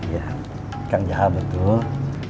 ya kang jahal betul